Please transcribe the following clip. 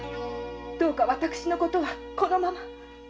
どうか私のことはこのまま。